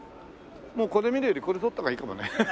もうこれ見るよりこれ撮った方がいいかもね。